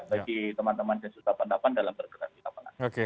bagi teman teman yang susah pendapatan dalam bergerak